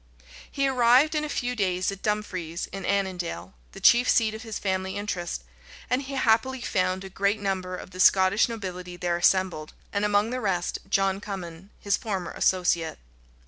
He arrived in a few days at Dumfries, in Annandale, the chief seat of his family interest; and he happily found a great number of the Scottish nobility there assembled, and among the rest, John Cummin, his former associate.